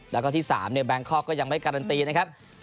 แล้วก็ที่๓แบงคอกก็ยังไม่การันตีนะครับ